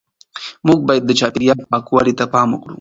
موږ باید د چاپیریال پاکوالي ته پام وکړو.